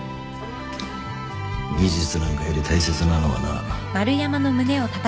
技術なんかより大切なのはな。